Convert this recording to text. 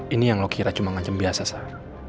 ini yang lo kira cuma ngajem biasa zer